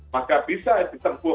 maka bisa ditempuh